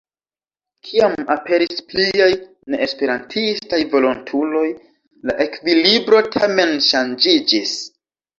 Kiam aperis pliaj neesperantistaj volontuloj la ekvilibro tamen ŝanĝiĝis.